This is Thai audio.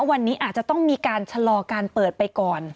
วันนี้อาจจะต้องมีการชะลอการเปิดไปก่อน